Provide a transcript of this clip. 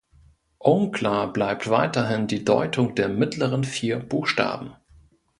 Unklar bleibt weiterhin die Deutung der mittleren vier Buchstaben.